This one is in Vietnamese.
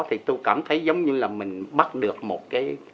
thì tôi cảm thấy giống như là mình bắt được một cái